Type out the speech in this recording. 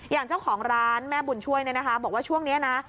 อย่างเจ้าของร้านแม่บุญช่วยบอกว่าช่วงนี้นะ